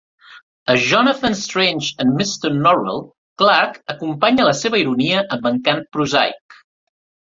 A "Jonathan Strange and Mr Norrell", Clarke acompanya la seva ironia amb encant prosaic.